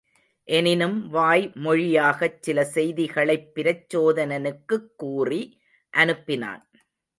எனினும் வாய் மொழியாகச் சில செய்திகளைப் பிரச்சோதனனுக்குக் கூறி அனுப்பினான்.